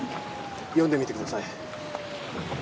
読んでみてください。